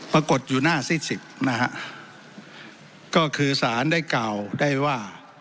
ปรากฏอยู่หน้า๗๐นะฮะก็คือสารได้เก่าได้ว่า